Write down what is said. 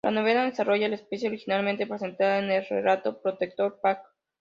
La novela desarrolla la especie originalmente presentada en el relato "Protectores Pak".